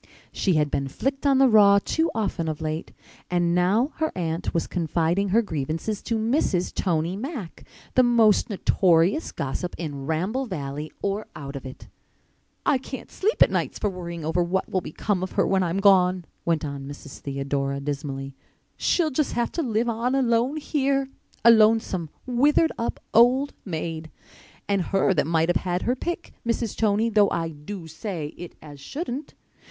She had been flicked on the raw too often of late. And now her aunt was confiding her grievances to Mrs. Tony Mack—the most notorious gossip in Ramble Valley or out of it! "I can't sleep at nights for worrying over what will become of her when I'm gone," went on Mrs. Theodora dismally. "She'll just have to live on alone here—a lonesome, withered up old maid. And her that might have had her pick, Mrs. Tony, though I do say it as shouldn't.